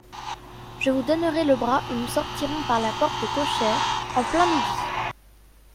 Je vous donnerai le bras et nous sortirons par la porte cochère, en plein midi.